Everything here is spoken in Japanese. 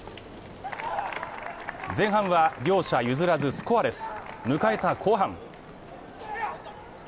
前半は両者譲らずスコアレス、迎えた後半。